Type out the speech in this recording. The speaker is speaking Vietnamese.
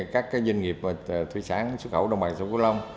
các doanh nghiệp thủy sản xuất khẩu đồng bằng xuân quy lông